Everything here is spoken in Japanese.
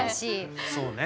そうね。